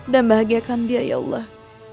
dan bahagiakan dia ya allah